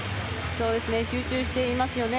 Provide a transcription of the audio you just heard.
集中していますよね。